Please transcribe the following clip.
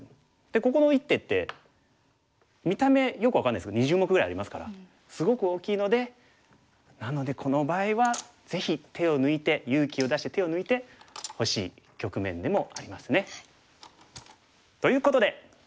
でここの一手って見た目よく分からないですけど２０目ぐらいありますからすごく大きいのでなのでこの場合はぜひ手を抜いて勇気を出して手を抜いてほしい局面でもありますね。ということで。